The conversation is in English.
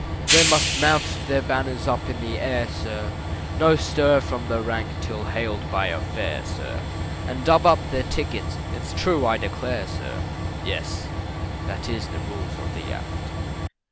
They must mount their banners up in the air, sir, Nor stir from the rank till hail'd by a fare, sir, And dub up their Tickets, its true I declare, sir, Yes, that is the rules of the Act.